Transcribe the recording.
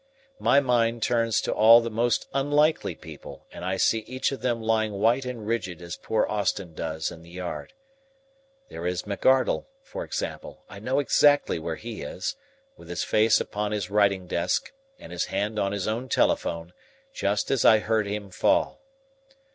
My mind turns to all the most unlikely people, and I see each of them lying white and rigid as poor Austin does in the yard. There is McArdle, for example, I know exactly where he is, with his face upon his writing desk and his hand on his own telephone, just as I heard him fall.